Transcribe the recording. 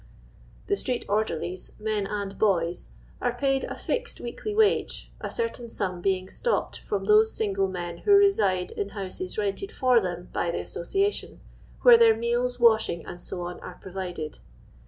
* The street orderlies, men and boys, are paid a fixed weekly wiwe, a certain sum being stopped from those single men who reside in houses rented for them by the association, where their meals, washing, Kc, are provided.